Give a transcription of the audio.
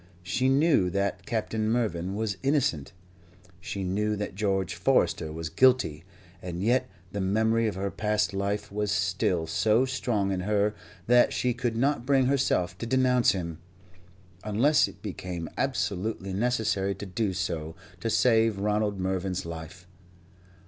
She knew that Captain Mervyn was innocent; she knew that George Forester was guilty, and yet the memory of her past life was still so strong in her that she could not bring herself to denounce him, unless it became absolutely necessary to do so to save Ronald Mervyn's life.